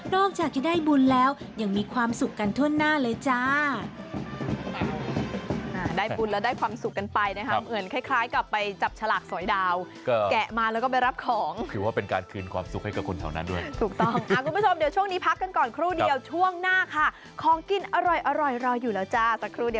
จากจะได้บุญแล้วยังมีความสุขกันทั่วหน้าเลยจ้า